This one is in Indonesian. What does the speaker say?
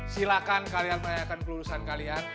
silahkan kalian tanyakan kelulusan kalian